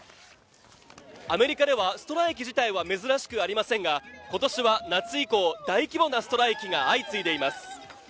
アメリカではストライキ自体は珍しくありませんが今年は夏以降大規模なストライキが相次いでいます